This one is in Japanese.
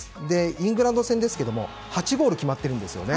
イングランド戦ですが８ゴール決まってるんです。